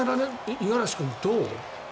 五十嵐君、どう？